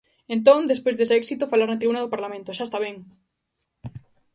Entón, despois dese éxito falar na tribuna do Parlamento, ¡xa está ben!